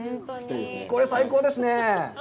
これ最高ですね。